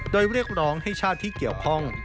โดยเรียกร้องให้ชาติที่เกี่ยวข้อง